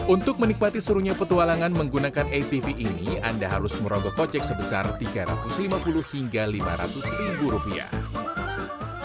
untuk menikmati serunya petualangan menggunakan atv ini anda harus merogoh kocek sebesar tiga ratus lima puluh hingga lima ratus ribu rupiah